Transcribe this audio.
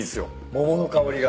桃の香りが。